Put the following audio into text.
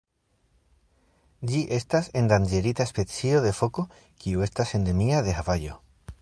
Ĝi estas endanĝerita specio de foko kiu estas endemia de Havajo.